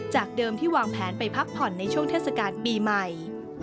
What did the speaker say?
จากเดิมที่วางแผนไปพักผ่อนในช่วงเทศกาลปีใหม่